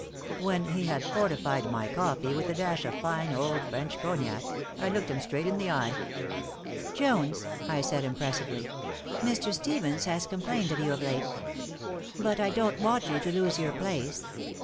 When he had fortified my coffee with a dash of fine old French cognac, I looked him straight in the eye. "Jones," I said, impressively, "Mr. Stevens has complained of you of late. But I don't want you to lose your place.